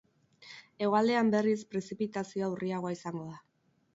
Hegoaldean, berriz, prezipitazioa urriagoa izango da.